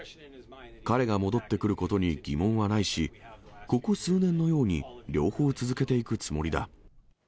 彼が戻ってくることに疑問はないし、ここ数年のように、両方続けていくつもりだ。